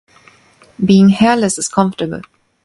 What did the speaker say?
Being hair less is comfortable.